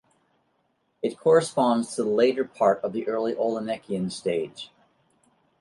It corresponds to the later part of the early Olenekian stage.